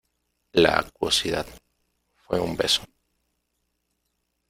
la acuosidad... fue un beso ...